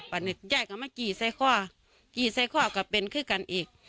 วันนี้ย่ายก็มากี่ใส่ข้อกี่ใส่ข้อก็เป็นคือกันอีก